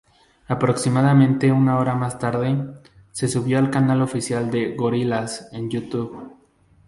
Aproximadamente una hora más tarde, se subió al canal oficial de Gorillaz en YouTube.